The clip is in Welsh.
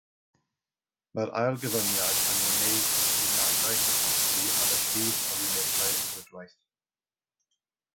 Mae'r ail gyfyngiad yn ymwneud â chyfyngiadau capasiti ar y llif ar linellau rhwydwaith.